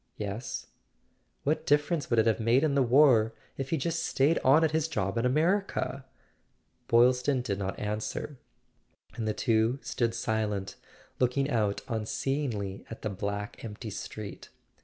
"Yes." "What difference would it have made in the war, if he'd just stayed on at his job in America?" Boylston did not answer, and the two stood silent, looking out unseeingly at the black empty street.